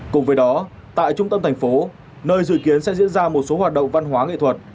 cùng với đó tại trung tâm thành phố nơi dự kiến sẽ diễn ra một số hoạt động văn hóa nghệ thuật